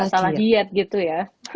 jadi gak salah diet gitu ya